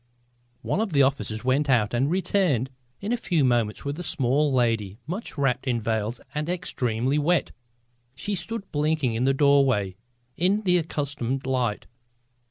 One of the officers went out and returned in a few moments with a small lady much wrapped in veils and extremely wet. She stood blinking in the doorway in the accustomed light.